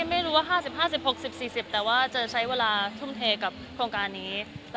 ไม่รู้ว่า๕๕๑๖๐๔๐แต่ว่าจะใช้เวลาทุ่มเทกับโครงการนี้